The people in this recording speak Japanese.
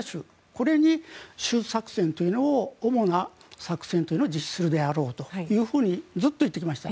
これに主作戦というのを主な作戦というのを実施するであろうとずっと言ってきました。